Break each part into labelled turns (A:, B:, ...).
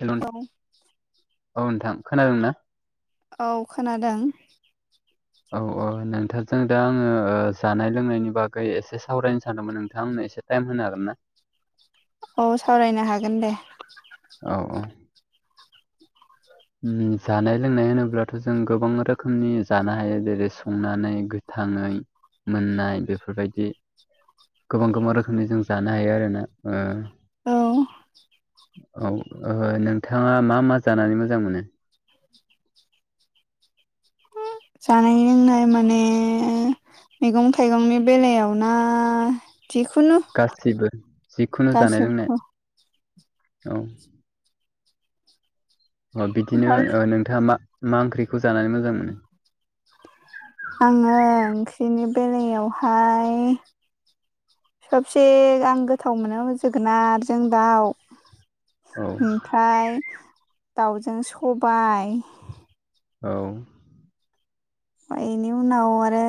A: हेल'
B: औ
A: औ नोंथां खोनादों ना?
B: औ खोनादों
A: औ औ नोंथांजों दा आङो जानाय लोंनायनि बागै एसे सावरायनो सानदोंमोन नोंथाङा आंनो एसे टाइम होनो हागोन ना?
B: औ सावरायनो हागोन दे।
A: औ औ जानाय लोंनाय होनोब्लाथ' जों गोबां रोखोमनि जानो हायो जेरै संनानै थाङै मोननाय बेफोरबायदि गोबां गोबां रोखोमनि जों जानो हायो आरो ना ओ
B: औ।
A: औ ओ नोंथाङा मा मा जानानै मोजां मोनो
B: जानाय लोंनाय माने मैगं थाइगंनि बेलायाव ना जिखुनु
A: गासिबो जिखुनु जानाय
B: गासिबखौ
A: लोंनाय औ। अ बिदिनो ओ नोंथाङा मा मा ओंख्रिखौ जानानै मोजां मोनो।
B: आङो ओंख्रिनि बेलायावहाय सबसे आं गोथाव मोनो जोगोनारजों दाउ।
A: औ
B: ओमफाय दाउजों सबाय।
A: औ।
B: फाय इनि उनाव आरो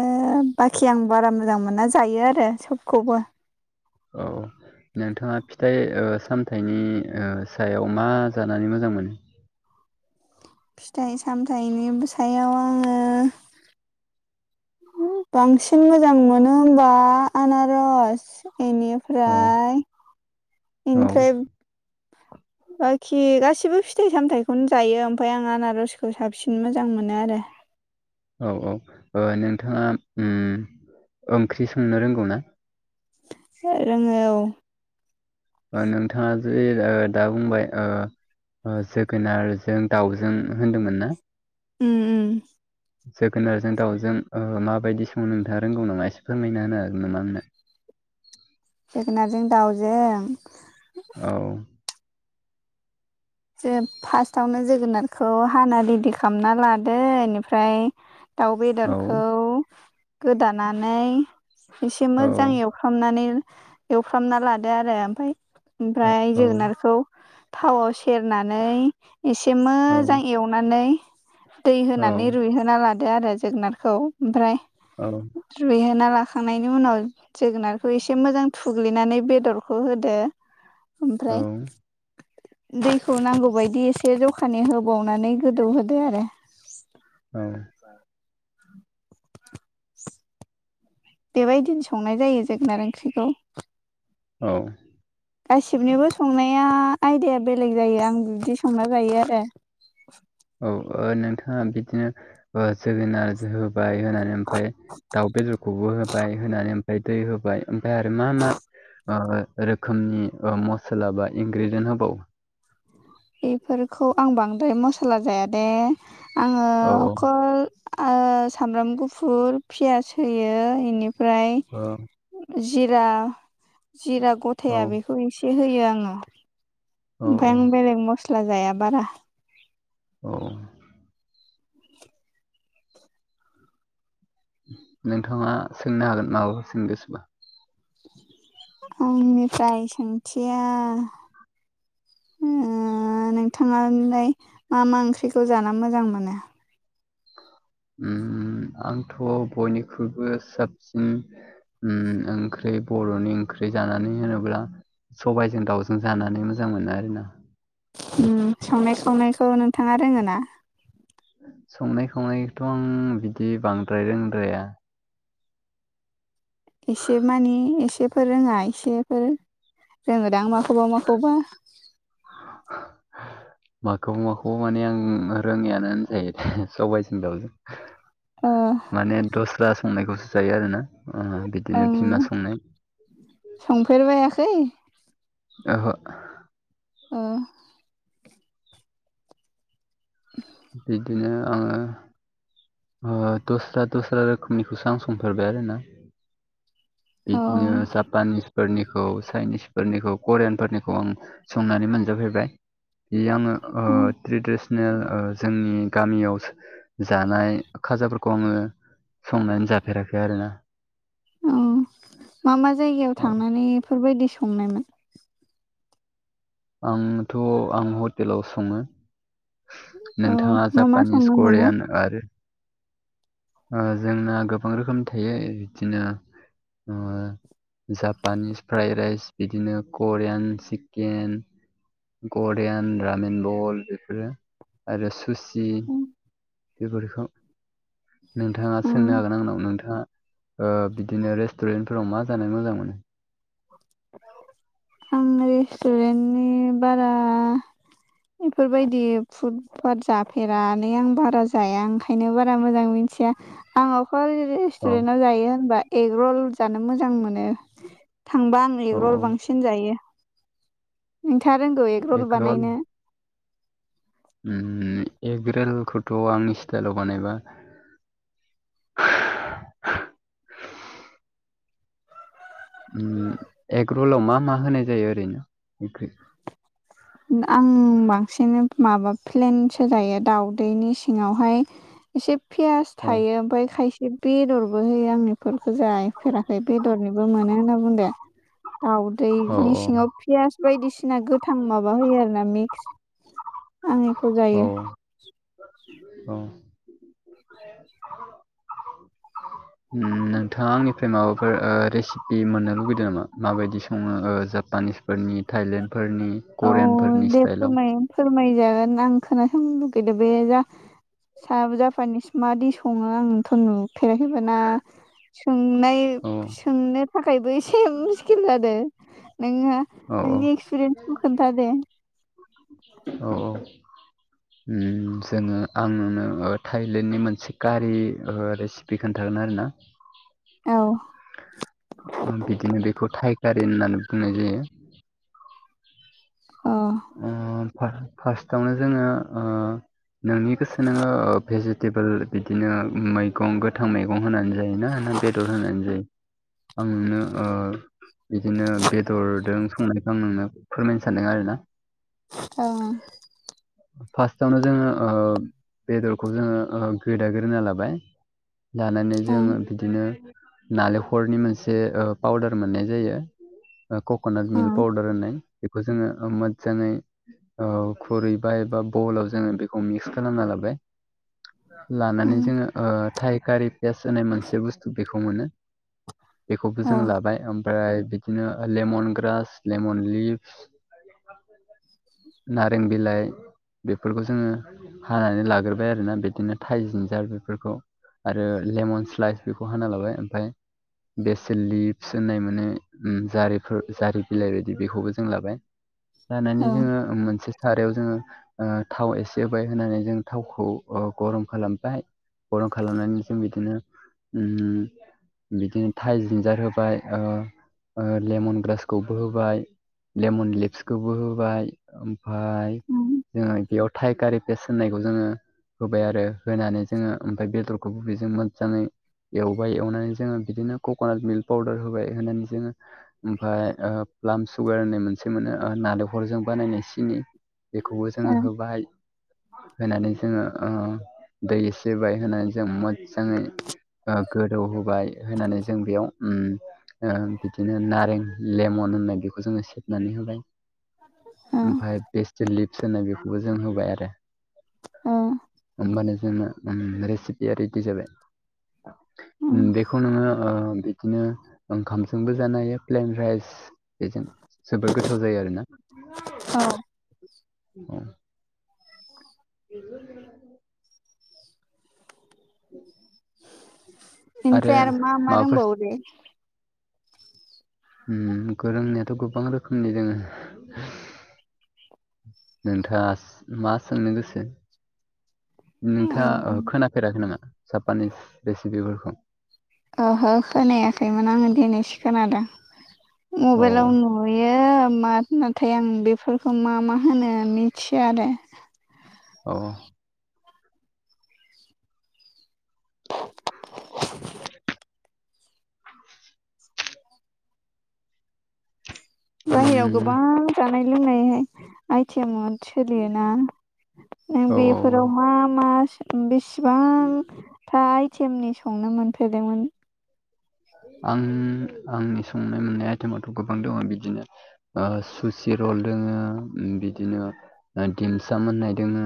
B: बाखि आं बारा मोजां मोना जायो आरो सबखौबो।
A: औ। नोंथाङा फिथाइ ओ सामथाइनि ओ सायाव मा जानानै मोजां मोनो।
B: फिथाइ सामथाइनि सायाव आङो बांसिन मोजां मोनो होमबा आनारस एनि
A: औ
B: फ्राय
A: औ
B: इनिफ्राय बाखि गासिबो फिथाइ सामथाइखौनो जायो ओमफाय आं आनारसखौ साबसिन मोजां मोनो आरो।
A: औ औ ओ नोंथाङा उम ओंख्रि संनो रोंगौ ना
B: रोङो औ।
A: नोंथाङा जे ओ दा बुंबाय ओ ओ जोगोनारजों दाउजों होन्दोंमोन ना।
B: उम उम।
A: जोगोनारजों दाउजों ओ माबायदि संनो नोंथाङा रोंगौ नामा एसे फोरमायना होनो हागोन नामा आंनो।
B: जोगोनारजों दाउजों
A: औ।
B: जों फार्स्टआवनो जोगोनारखौ हाना रेडि खालामना लादो इनिफ्राय दाउ
A: औ
B: बेदरखौ गोदानानै एसे
A: औ
B: मोजां एव फ्रामनानै एवफ्रामना लादो आरो ओमफाय ओमफ्राय
A: औ
B: जोगोनारखौ थावआव सेरनानै एसे मोजां एवनानै दै
A: औ
B: होनानै रुइहोना लादो आरो जोगोनारखौ ओमफ्राय
A: औ।
B: रुइहोना लाखांनायनि उनाव जोगोनारखौ एसे मोजां थुग्लिनानै बेदरखौ होदो।
A: औ।
B: ओमफ्राय दैखौ नांगौ बायदि एसे जखानि होबावनानै गोदौहोदो आरो।
A: औ।
B: बेबायदिनो संनाय जायो जोगोनार ओंख्रिखौ।
A: औ।
B: गासिबनिबो संनाया आइडाया बेलेग जायो आं बिदि संना जायो आरो।
A: औ ओ नोंथाङा बिदिनो ओ जोगोनार जो होबाय होनानै ओमफ्राय दाउ बेदरखौबो होबाय होनानै ओमफ्राय दै होबाय। ओमफाय आरो मा मा ओ रोखोमनि ओ मस्ला बा [unintelligible] होबावो।
B: बेफोरखौ आं बांद्राय मस्ला जाया दे आङो
A: औ
B: अखल ओ सामब्राम गुफुर पियास होयो इनिफ्राय
A: ओ
B: जिरा जिरा
A: औ
B: गथाया बेखौ एसे होयो आङो।
A: औ
B: ओमफाय आं बेलेग मस्ला जाया बारा।
A: औ। नोंथाङा सोंनो हागोन माबाफोर सोंनो गोसोबा
B: आंनिफ्राय सोंथिया उम नोंथाङालाय मा मा ओंख्रिखौ जानो मोजां मोनो?
A: उम आंथ' बयनिख्रुइबो साबसिन उम ओंख्रै बर'नि ओंख्रै जानानै होनोब्ला सबाइजों दाउजों जानानै मोजां मोनो आरोना।
B: उम संनाय खावनायखौ नोंथाङा रोङोना?
A: संनाय खावनायखौथ' आं बिदि बांद्राय रोंद्राया।
B: एसे मानि एसेफोर रोङा एसेफोर रोङोदां माखौबा माखौबा?
A: माखौबा माखौबा माने आं रोङैयिनो होनजायो सबाइजों दाउजों
B: ओ
A: माने दस्रा संनायखौसो जायो आरोना ओ बिद
B: ओं संफेरबायाखै?
A: ओहो
B: ओ [inaudible]
A: बिदिनो आङो ओ दस्रा दस्रा रोखोमनिखौसो आं संफेरबाय आरोना
B: औ
A: बिदिनो जापानिस फोरनिखौ चाइनिस फोरनिखौ करियान फोरनिखौ आं संनानै मोनजाफेरबाय। बे आङो ओ ट्रेडिसनेल जोंनि गामियाव जानाय खाजाफोरखौ आङो संनानै जाफेराखै आरोना।
B: औ मा मा जायगायाव
A: औ
B: थांनानै बेफोरबायदि संनायमोन?
A: आंथ' आं हटेलाव सङो।
B: औ
A: नोंथाङा
B: मा मा
A: जापानिस
B: संनो मोनो
A: करियान आरो ओ जोंना गोबां रोखोमनि थायो बिदिनो ओ जापानिस फ्राइ राइस बिदिनो करियान चिकेन करियान रामेन बल बेफोरो आरो सुसि बेफोरखौ नोंथाङा
B: औ
A: सोंनो हागोन आंनाव नोंथाङा ओ बिदिनो रेस्टुरेन्टफोराव मा जानो मोजां मोनो?
B: आं रेस्टुरेन्टनि बारा बेफोरबायदि फुट पाट जाफेरानोलै आं बारा जाया आं बेखायनो बारा मोजां मिथिया आङो अकल
A: औ
B: रेस्टुरेन्ट आव जायो होनबा एग रल जानो मोजां मोनो। थांबा आं
A: औ
B: एगरल
A: औ
B: बांसिन जायो। नोंथाङा रोंगौ एगरल बानायनो?
A: उम उम एगरलखौथ' आंनि स्टाइलाव बानायबा उम एगरलाव मा मा होनाय जायो ओरैनो
B: आं बांसिन माबा प्लेनसो जायो दाउदैनि सिङावहाय एसे पियास
A: औ
B: थायो ओमफ्राय खायसे बे बेदरबो होयो आंनि इफोरखौ जाहैफेराखै बेदरनिबो मोनो होनना बुंदों।
A: औ
B: दावदैनि सिङाव पियास बायदिसिना गोथां माबा होयो आरो ना मिक्स आं बेखौ
A: औ
B: जायो
A: औ उम नोंथाङा आंनिफ्राय माबाफोर ओ रेसिपि मोननो लुगैदों नामा माबायदि सङो ओ जापानिस फोरनि थाइलेण्डफोरनि
B: औ
A: करियानफोरनि
B: दे
A: स्टाइलाव
B: फोरमाय फोरमायजागोन आं खोनासंनो लुगैदों बे जा साबो जापानिस मादि सङो आंथ' नु फेराखैबाना सोंनाय
A: औ
B: सोंनो थाखायबो एसे मुस्किल जादों नोङो
A: औ
B: नोंनि एक्सपिरियेन्सखौ खोन्था दे।
A: औ ओ जोङो आंनो थाइलेण्डनि मोनसे कारि रेसिपि खोन्थागोन आरोना
B: औ
A: बिदिनो बेखौ टाइकारिन होननानै बुंनाय जायो
B: औ
A: ओ फार्स्टावनो जोङो ओ नोंनि गोसो नोङो भेजि टेबोल बिदिनो मैगं गोथां मैगं होनानै जायोना ना बेदर होनानै जायो आं नोंनो ओ बिदिनो बेदरदों संनायखौ आं नोंनो फोरमायनो सानदों आरोना
B: औ
A: फार्स्टावनो जोङो ओ बेदरखौ जोङो ओ गोदागोरना लाबाय लानानै
B: ओं
A: जोङो बिदिनो नालेंखरनि मोनसे पाउदार मोननाय जायो ओ कक'नाट मिल्क
B: ओं
A: पाउदार होननाय बेखौ जोङो मो जोङै औ खुरैबाय एबा बलाव जोङो बेखौ मिक्स खालामना लाबाय लानानै
B: ओं
A: जोङो ओ थाइखारि पियास होननाय मोनसे बुस्थु बेखौ मोनो बेखौबो
B: औ
A: जों लाबाय ओम फ्राय बिदिनो लेमन ग्रास लेमन लिभस नारें बिलाइ बेफोरखौ जोङो हानानै लाग्रोबाय आरोना बिदिनो थाइ जिन्जार बेफोरखौ आरो लेमन स्लाइस बेखौ हाना लाबाय ओमफाय बेसेल लिफ्स होननाय माने जारिफोर जारि बिलाइ बायदि बेखौबो जों लाबाय जानायनि
B: औ
A: जोङो मोनसे सारायाव जोङो ओ थाव एसे होबाय होनानै जों थावखौ गरम खालामबाय गरम खालामनानै जों बिदिनो उम बिदिनो थाइ जिन्जार होबाय ओ लेमन ग्रासखौबो होबाय लेमन लिपस होबाय ओमफाय
B: ओं
A: जोङो बेयाव थाइकारि पेस होननायखौ जोङो होबाय आरो होनानै जोङो ओमफ्राय बेदरखौबो बेजों मोजाङै एवबाय एवनानै जोङो बिदिनो कक'नाट मिल्क पाउदार होबाय होनानै जोङो ओमफाय ओ प्लाम सुगार होननाय मोनसे मोनो नालेंखरजों बानायनाय सिनि बेखौबो
B: ओ
A: जोङो होबाय होनानै जोङो ओ दै एसे होबाय होनानै जों मोजाङै ओ गोदौ होबाय होनानै जों बेयाव ओ बिदिनो नारें लेमन होननाय बेखौ जोङो सेबनानै होबाय
B: [inaudible]
A: ओमफाय बेस्टेल लिप्स होनाय बेखौबो जों होबाय आरो
B: ओ
A: होमबानो जोंना रेसिपिआ रिदि जाबाय
B: ओं
A: बेखौ नोङो ओ बिदिनो ओंखामजोंबो जानो हायो प्लेन राइस बेजों जोबोद गोथाव जायो आरोना
B: औ
A: औ [inaudible] [inaudible]
B: बेनिफ्राय आरो मा मा
A: माबाफोर
B: रोंबावो दे
A: ओम गोरोंनायाथ' गोबां रोखोमनि रोङो नोंथाङास मा सोंनो गोसो नोंथाङा ओ खोनाफेराखै नामा जापानिस रेसिपिफोरखौ
B: ओहो खोनायाखैमोन आङो दिनैसो खोनादों
A: औ
B: मबेलाव नुयो मा नाथाय आं बेफोरखौ मा मा होनो मिथिया आरो
A: औ [inaudible]
B: बाहेराव
A: उम
B: गोबां जानाय लोंनायहाय आइटेम मोन सोलियोना नों
A: औ औ औ
B: बेफोरावहा मा बेस सेबांथा आइटेमनि संनो मोनफेरदोंमोन?
A: आं आंनि संनाय मोननाय आयथेमाथ' गोबां दङ बिदिनो ओ सुसि रल दोङो उम बिदिनो ओ दिमसाम होननाय दोङो।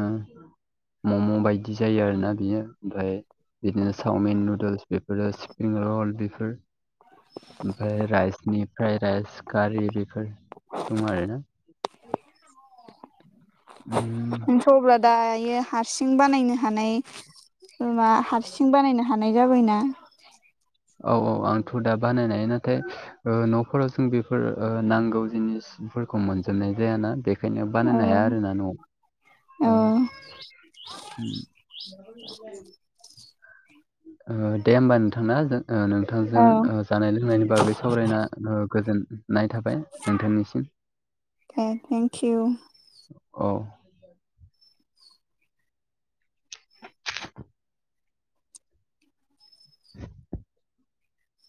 A: मम' बायदि जायो आरोना बेयो ओमफ्राय बिदिनो चावमिन नुदोल्स बेफोरो सिफ्रिं रल बेफ फोर ओमफाय रायसनिफ्राय रायस खारि बेफोर दं आरो ना? उम।
B: नोंथ' अब्ला दायो हारसिं बानायनो हानाय मा हारसिं बानायनो हान नाय जाबायना।
A: औ औ आंथ' दा बानायनाय नाथाय ओ न'फोराव जों बेफोर ओ नांगौ जिनिसफोरखौ मोनजोबनाय जायाना। बेख खायनो बानायनो हाया
B: औ
A: आरो ना न'आव औ। उम ओ दे होमबा नोंथां ना जों ओ नों थांजों
B: औ
A: ओ जानाय लोंनायनि बागै सावरायना ओ गोजोननाय थाबाय नोंथांनिसिम।
B: हे थेंक किउ
A: औ।